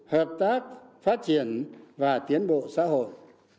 hợp tác phát triển và tiến bộ xã hội